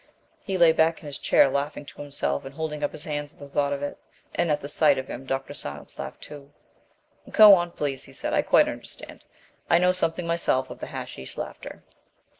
He lay back in his chair, laughing to himself and holding up his hands at the thought of it, and at the sight of him Dr. Silence laughed too. "Go on, please," he said, "I quite understand. I know something myself of the hashish laughter."